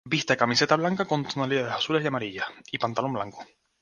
Viste camiseta blanca con tonalidades azules y amarillas, y pantalón blanco.